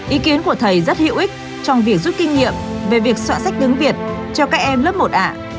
ý kiến của thầy rất hữu ích trong việc rút kinh nghiệm về việc soạn sách tiếng việt cho các em lớp một a